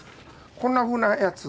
こんなふうなやつを。